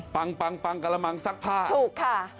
ปังปังปังกะละมังซักผ้าถูกค่ะ